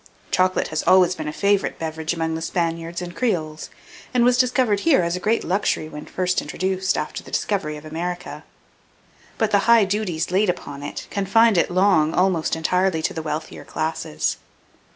Chocolate has always been a favourite beverage among the Spaniards and Creoles, and was considered here as a great luxury when first introduced, after the discovery of America; but the high duties laid upon it, confined it long almost entirely to the wealthier classes.